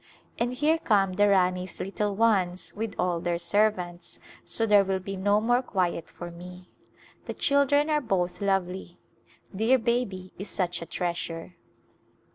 And here come the Rani's little ones with all their servants, so there will be no more quiet for me. The children are both lovely. Dear baby is such a treasure.